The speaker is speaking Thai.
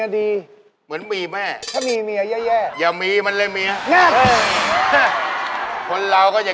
ได้ผ่อนคายแล้วก็เลยเลยครับผมใช่